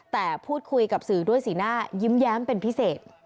แต่พูดคุยกับสื่อด้วยสีหน้ายิ้มแย้มเป็นพิเศษ